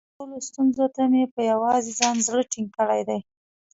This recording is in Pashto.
د ژوند ټولو ستونزو ته مې په یووازې ځان زړه ټینګ کړی دی.